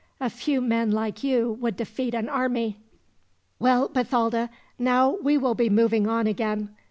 A few men like you would defeat an army." "Well, Bathalda, now we will be moving on again.